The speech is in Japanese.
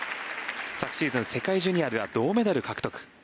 昨シーズン、世界ジュニアでは銅メダルを獲得。